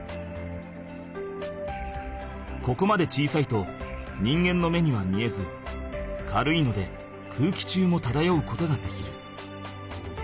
ここまで小さいと人間の目には見えず軽いので空気中もただようことができる。